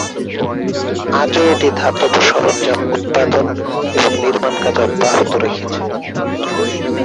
আজও এটি ধাতব সরঞ্জাম উৎপাদন এবং নির্মাণ কাজ অব্যাহত রেখেছে।